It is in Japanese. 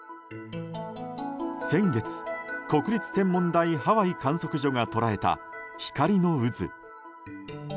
先月、国立天文台ハワイ観測所が捉えた光の渦。